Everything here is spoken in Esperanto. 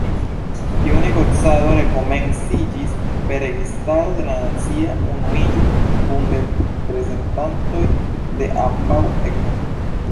Tiu negocado rekomenciĝis per registaro de la nacia unuiĝo kun reprezentantoj de ambaŭ etnoj.